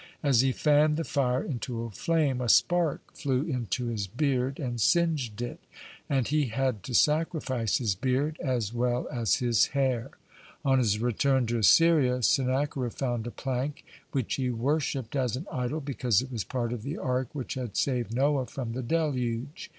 As he fanned the fire into a flame, a spark flew into his beard and singed it, and he had to sacrifice his beard as well as his hair. On his return to Assyria, Sennacherib found a plank, which he worshipped as an idol, because it was part of the ark which had saved Noah from the deluge.